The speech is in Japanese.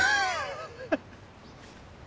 ハハハッ！